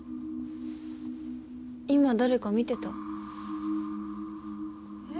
今誰か見てたえ